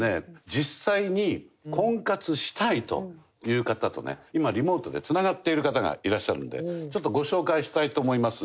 実際に婚活したいという方とね今リモートで繋がっている方がいらっしゃるんでちょっとご紹介したいと思います。